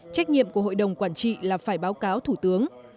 trách nhiệm của hội đồng quản trị là phải báo cáo thủ tướng